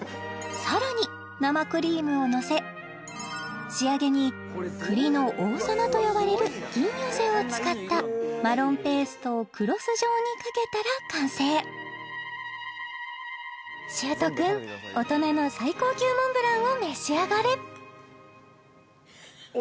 さらに生クリームをのせ仕上げに栗の王様と呼ばれる銀寄を使ったマロンペーストをクロス状にかけたら完成しゅーとくん大人の最高級モンブランを召し上がれ！